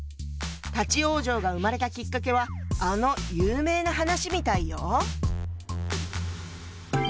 「立往生」が生まれたきっかけはあの有名な話みたいよ。